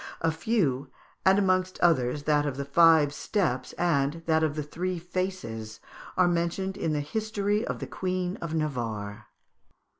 A few, and amongst others that of the five steps and that of the three faces, are mentioned in the "History of the Queen of Navarre."